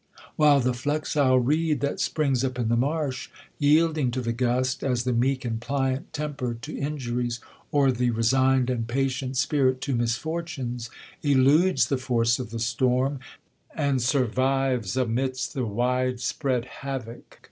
While the flexile reed, that springs up in the marsh, yielding to the gust, (as the nieek and pliant temper, to injuries, or the re signed and patient spirit, to misfortunes) eludes the force of the storm, and survives amidst the wide spread havoc.